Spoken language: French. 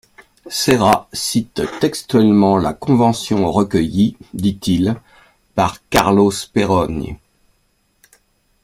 Serra cite textuellement la convention recueillie, dit-il, par Carlo Speroni.